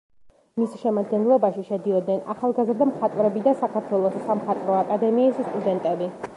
მის შემადგენლობაში შედიოდნენ ახალგაზრდა მხატვრები და საქართველოს სამხატვრო აკადემიის სტუდენტები.